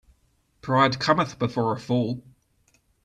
Pride cometh before a fall.